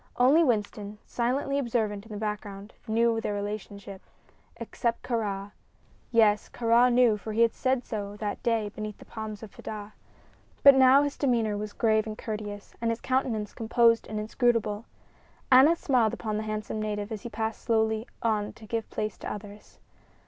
Only Winston, silently observant in the background, knew their relationship except Kāra. Yes; Kāra knew, for he had said so that day beneath the palms of Fedah. But now his demeanor was grave and courteous, and his countenance composed and inscrutable. Aneth smiled upon the handsome native as he passed slowly on to give place to others.